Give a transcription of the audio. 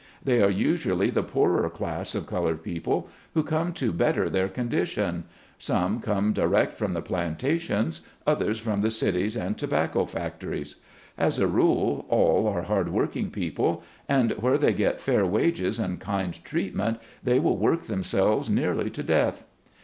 They are usually the poorer class of colored people, who come 116 SLAVE CABIN TO PULPIT. to better their condition ; some come direct from the plantations, others from the cities and tobacco fac tories. As a rule, all are hard working people, and where they get fair wages and kind treatment they will work themselves nearly to death.